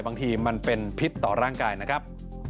บางทีมันเป็นพิษต่อร่างกายนะครับ